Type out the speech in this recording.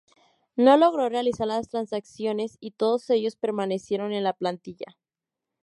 No logró realizar las transacciones y todos ellos permanecieron en la plantilla.